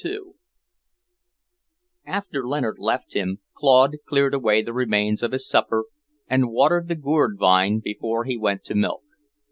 II After Leonard left him, Claude cleared away the remains of his supper and watered the gourd vine before he went to milk.